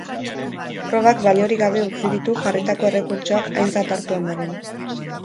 Probak baliorik gabe utzi ditu jarritako errekurtsoak aintzat hartu ondoren.